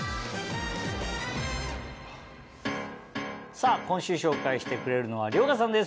さぁ今週紹介してくれるのは遼河さんです。